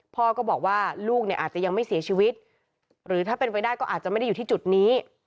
พ่อก็บอกว่าลูกเนี่ยอาจจะยังไม่เสียชีวิตหรือถ้าเป็นไปได้ก็อาจจะไม่ได้อยู่ที่จุดนี้